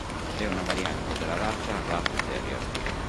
È una variante della razza Rat Terrier.